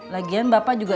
lagian bapak juga